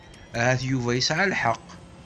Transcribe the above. Ahat Yuba yesɛa lḥeqq.